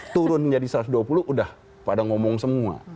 turun menjadi satu ratus dua puluh udah pada ngomong semua